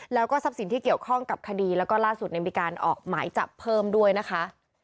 แล้วก็ทรัพย์สินที่เกี่ยวข้องกับคดีแล้วก็ล่าสุดมีการออกหมายจับเพิ่มด้วยนะคะ